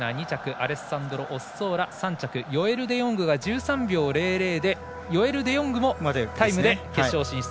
アレッサンドロ・オッソーラ３着ヨエル・デヨングが１３秒００でタイムで決勝進出。